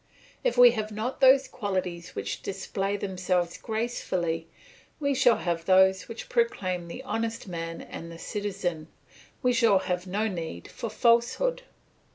"If we have not those qualities which display themselves gracefully we shall have those which proclaim the honest man and the citizen; we shall have no need for falsehood.